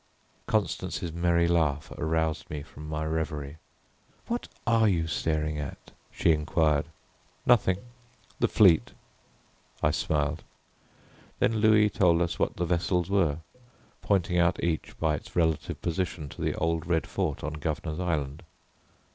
Constance's merry laugh aroused me from my reverie. "What are you staring at?" she inquired. "Nothing the fleet," I smiled. Then Louis told us what the vessels were, pointing out each by its relative position to the old Red Fort on Governor's Island.